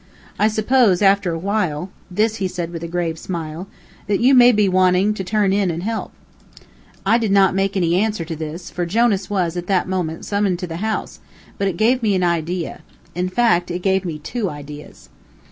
I suppose, after a while," this he said with a grave smile, "that you may be wanting to turn in and help." I did not make any answer to this, for Jonas was, at that moment, summoned to the house, but it gave me an idea. In fact, it gave me two ideas.